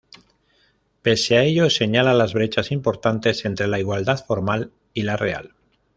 Pese a ello, señala la "brechas importantes entre la igualdad formal y la real.